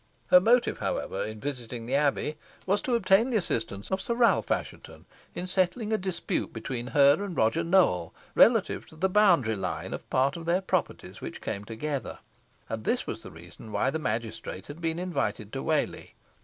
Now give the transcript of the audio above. Her motive, however, in visiting the Abbey, was to obtain the assistance of Sir Ralph Assheton, in settling a dispute between her and Roger Nowell, relative to the boundary line of part of their properties which came together; and this was the reason why the magistrate had been invited to Whalley.